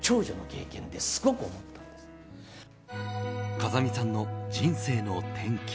風見さんの人生の転機。